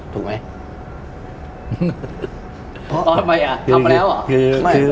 ถูกไหม